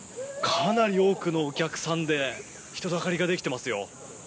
かなり多くのお客さんで人だかりができてますよ。